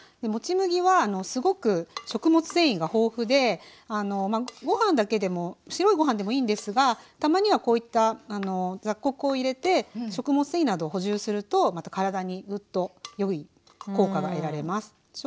もち麦はすごく食物繊維が豊富でご飯だけでも白いご飯でもいいんですがたまにはこういった雑穀を入れて食物繊維などを補充するとまた体にぐっと良い効果が得られます。